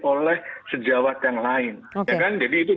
oleh sejawat yang lain ya kan jadi itu